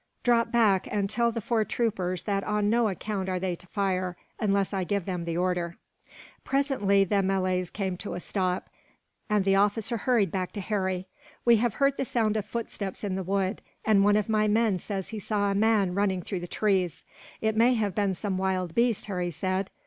"Drop back, and tell the four troopers that on no account are they to fire, unless I give them the order." Presently the Malays came to a stop, and the officer hurried back to Harry. "We have heard the sound of footsteps in the wood, and one of my men says he saw a man running among the trees." "It may have been some wild beast," Harry said.